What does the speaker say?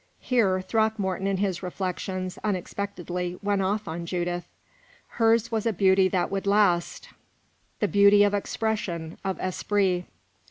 Here Throckmorton, in his reflections, unexpectedly went off on Judith. Hers was a beauty that would last the beauty of expression, of esprit.